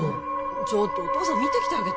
ちょっとお父さん見てきてあげて・